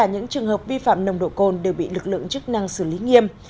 hợp vi phạm nồng độ cồn đều bị lực lượng chức năng xử lý nghiêm